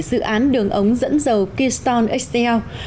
dự án đường ống dẫn dầu keystone xl